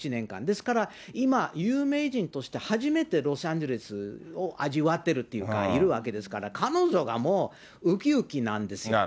ですから今、有名人として初めてロサンゼルスを味わってるというか、いるわけですから、彼女がもう、ウキウキなんですよ。